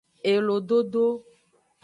Elododo.